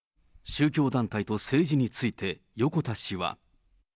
宗教団体と政治について、横田氏は。